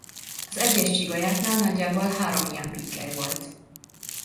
Az egyes csigolyáknál nagyjából három ilyen pikkely volt.